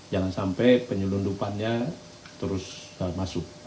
jangan sampai penyelundupannya terus masuk